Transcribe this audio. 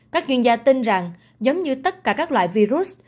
các chuyên gia tin rằng giống như tất cả các loại virus